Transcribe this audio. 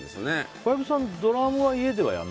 小籔さん、ドラムは家では？